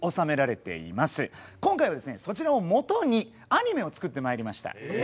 今回はそちらを基にアニメを作ってまいりました。